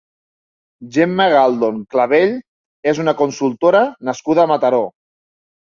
Gemma Galdon Clavell és una consultora nascuda a Mataró.